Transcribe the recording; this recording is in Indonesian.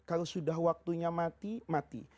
kalau sudah waktunya mati mati